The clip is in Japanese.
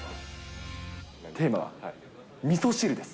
テーマはみそ汁です。